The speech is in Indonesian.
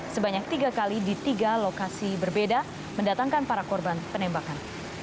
sebanyak tiga kali di tiga lokasi berbeda mendatangkan para korban penembakan